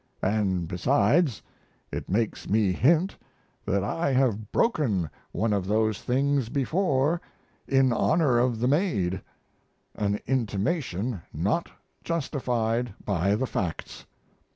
And, besides, it makes me hint that I have broken one of those things before in honor of the Maid, an intimation not justified by the facts.